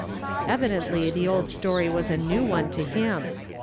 Evidently the old story was a new one to him.